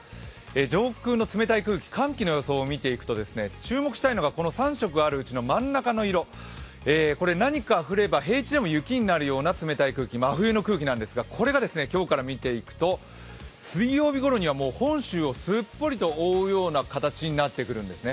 上空の冷たい空気、寒気の予想を見ていくと注目したいのが３色あるうちの真ん中の色、これ何か降れば平地でも雪になる空気なんですがこれがですね、今日から見ていくと水曜日ごろには、本州をすっぽりと覆うような形になってくるんですね。